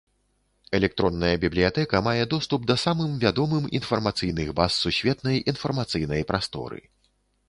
Электронная бібліятэка мае доступ да самым вядомым інфармацыйных баз сусветнай інфармацыйнай прасторы.